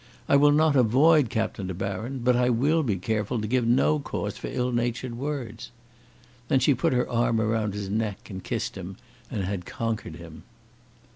I will not avoid Captain De Baron, but I will be careful to give no cause for ill natured words." Then she put her arm round his neck, and kissed him, and had conquered him.